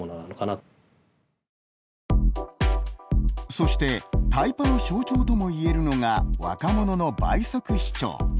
そしてタイパの象徴とも言えるのが若者の倍速視聴。